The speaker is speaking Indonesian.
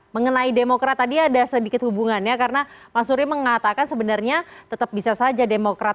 mengenai demokrat tadi ada sedikit hubungannya karena mas suri mengatakan sebenarnya tetap bisa saja demokrat